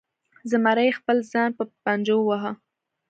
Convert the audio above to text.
زمري خپل ځان په پنجو وواهه.